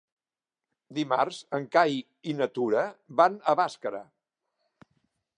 Dimarts en Cai i na Tura van a Bàscara.